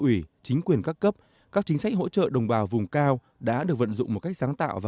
ủy chính quyền các cấp các chính sách hỗ trợ đồng bào vùng cao đã được vận dụng một cách sáng tạo và